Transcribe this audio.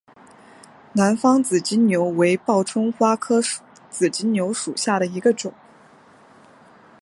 南方紫金牛为报春花科紫金牛属下的一个种。